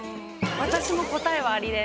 私も答えは「あり」です。